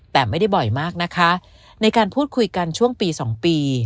แต่ไม่ได้บ่อยมากนะคะในการพูดคุยกันช่วงปี๒ปี